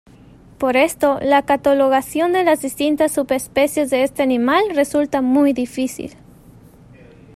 Por esto la catalogación de las distintas subespecies de este animal, resulta muy difícil.